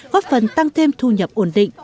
góp phần tăng thêm thu nhập ổn định